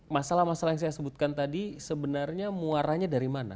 masalah masalah yang saya sebutkan tadi sebenarnya muaranya dari mana